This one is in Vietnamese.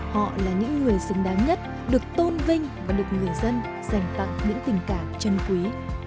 họ là những người xứng đáng nhất được tôn vinh và được người dân dành tặng những tình cảm chân quý